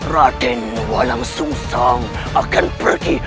raden walang sungsang akan pergi